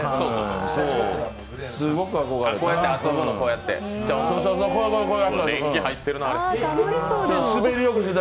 すごく憧れた。